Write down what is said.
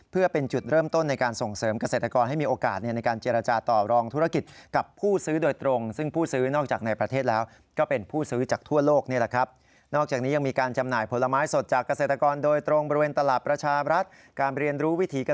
เพื่อเป็นจุดเริ่มต้นในการส่งเสริมเกษตรกร